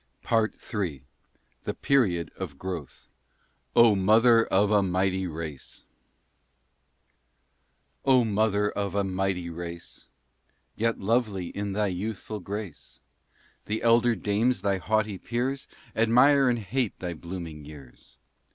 PART III THE PERIOD OF GROWTH "OH MOTHER OF A MIGHTY RACE" Oh mother of a mighty race, Yet lovely in thy youthful grace! The elder dames, thy haughty peers, Admire and hate thy blooming years.